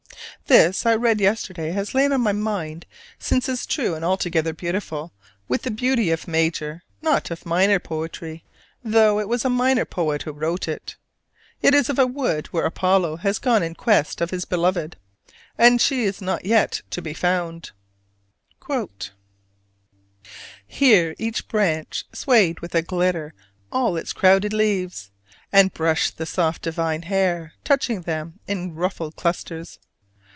This I read yesterday has lain on my mind since as true and altogether beautiful, with the beauty of major, not of minor poetry, though it was a minor poet who wrote it. It is of a wood where Apollo has gone in quest of his Beloved, and she is not yet to be found: "Here each branch Sway'd with a glitter all its crowded leaves, And brushed the soft divine hair touching them In ruffled clusters....